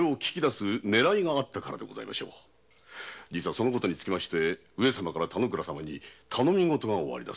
その事につきましては上様から田之倉様に頼み事がおありだと。